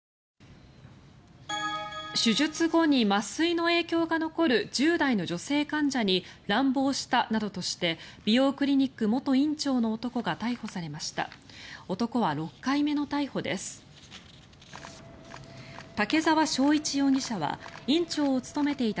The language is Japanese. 手術後に麻酔の影響が残る１０代の女性患者に乱暴したなどとして美容クリニック元院長の男が逮捕されました。